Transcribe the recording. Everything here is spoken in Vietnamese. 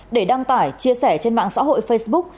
để đăng tải chia sẻ trên mạng xã hội facebook